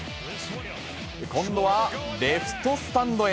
今度はレフトスタンドへ。